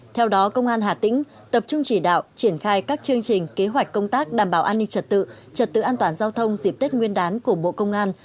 theo đó công an hà tĩnh tập trung chỉ đạo triển khai các chương trình kế hoạch công tác đảm bảo an ninh trật tự trật tự an toàn giao thông dịp tết nguyên đán của bộ công an